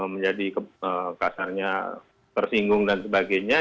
menjadi kasarnya tersinggung dan sebagainya